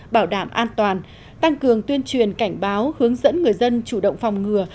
bảo đảm an toàn tăng cường tuyên truyền cảnh báo hướng dẫn người dân chủ động phòng ngừa